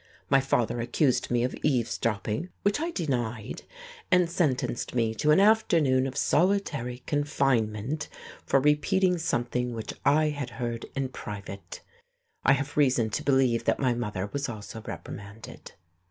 My father accused me of eavesdropping (which I denied), and sentenced me to an afternoon of solitary confinement for repeating something which I had heard in private. I have reason to believe that my mother was also reprimanded.